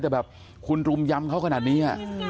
แต่แบบคุณรุมยำเขาขนาดนี้